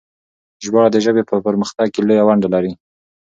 ژباړه د ژبې په پرمختګ کې لويه ونډه لري.